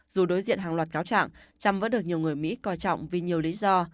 dù đối diện hàng loạt cáo trạng chăm vẫn được nhiều người mỹ coi trọng vì nhiều lý do